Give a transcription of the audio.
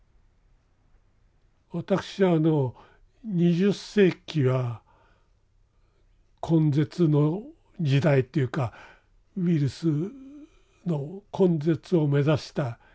私はあの２０世紀は根絶の時代っていうかウイルスの根絶を目指した時代であったと。